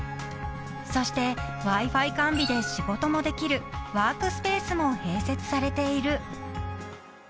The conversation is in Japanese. ［そしてＷｉ−Ｆｉ完備で仕事もできるワークスペースも併設されている］